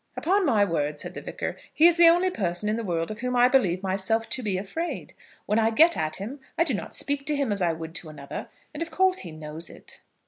"Upon my word," said the Vicar, "he is the only person in the world of whom I believe myself to be afraid. When I get at him I do not speak to him as I would to another; and of course he knows it."